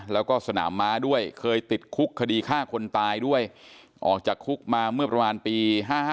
แล้วก็สนามม้าด้วยเคยติดคุกคดีฆ่าคนตายด้วยออกจากคุกมาเมื่อประมาณปี๕๕